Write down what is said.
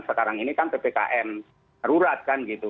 sekarang ini kan ppkm darurat kan gitu